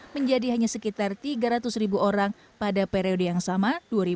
menjadi hanya sekitar tiga ratus ribu orang pada periode yang sama dua ribu dua puluh